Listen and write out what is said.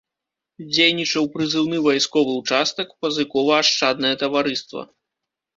Дзейнічаў прызыўны вайсковы ўчастак, пазыкова-ашчаднае таварыства.